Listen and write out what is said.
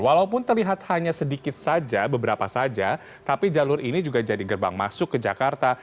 walaupun terlihat hanya sedikit saja beberapa saja tapi jalur ini juga jadi gerbang masuk ke jakarta